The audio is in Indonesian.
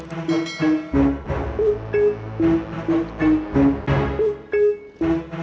terus kang mus bilang apa